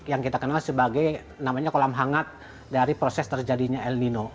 yang kita kenal sebagai namanya kolam hangat dari proses terjadinya el nino